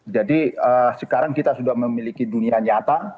jadi sekarang kita sudah memiliki dunia nyata